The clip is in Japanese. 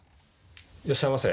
「いらっしゃいませ！」。